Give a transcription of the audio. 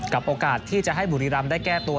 โอกาสที่จะให้บุรีรำได้แก้ตัว